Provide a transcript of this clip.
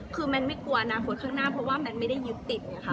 คือมันไม่กลัวอนาคตข้างหน้าเพราะว่ามันไม่ได้ยึดติดไงค่ะ